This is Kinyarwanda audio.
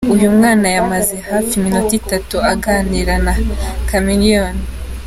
Uyu mwana yamaze hafi iminota itatu aganira na Chameleone.